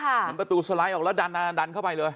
เหมือนประตูสไลด์ออกแล้วดันเข้าไปเลย